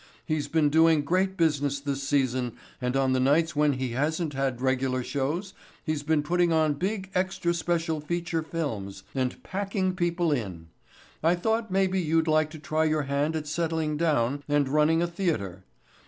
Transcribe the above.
He's been doing great business this season and on the nights when he hasn't had regular shows he's been putting on big extra special feature films and packing people in. I thought maybe you'd like to try your hand at settling down and running a theatre.